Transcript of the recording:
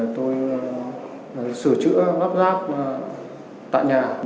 tại chùa láng đống đa